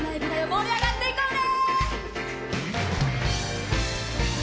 盛り上がっていこうね！